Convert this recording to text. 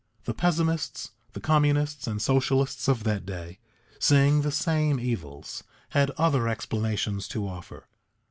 The pessimists the communists, and socialists of that day seeing the same evils, had other explanations to offer.